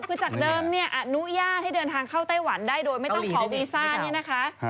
คือจากเดิมเนี่ยอนุญาตให้เดินทางเข้าไต้หวันได้โดยไม่ต้องขอวีซ่าเนี่ยนะคะ